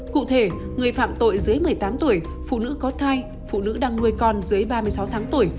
cụ thể người phạm tội dưới một mươi tám tuổi phụ nữ có thai phụ nữ đang nuôi con dưới ba mươi sáu tháng tuổi